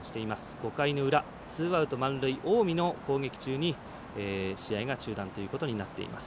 ５回の裏、ツーアウト満塁近江の攻撃中に試合が中断ということになっています。